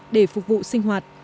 để phục vụ sinh hoạt